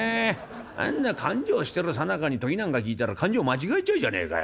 あんな勘定してるさなかに時なんか聞いたら勘定間違えちゃうじゃねえかよ。